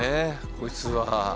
こいつは。